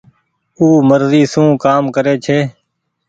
او مرزي سون ڪآم ڪري ڇي۔